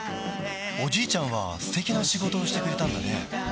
おじいちゃんは素敵な仕事をしてくれたんだね